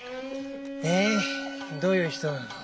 でどういう人なの？